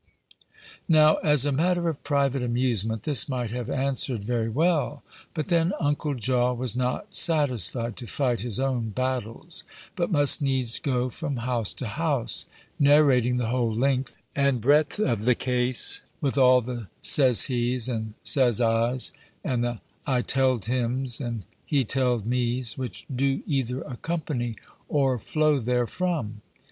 Now, as a matter of private amusement, this might have answered very well; but then Uncle Jaw was not satisfied to fight his own battles, but must needs go from house to house, narrating the whole length and breadth of the case, with all the says he's and says I's, and the I tell'd him's and he tell'd me's, which do either accompany or flow therefrom.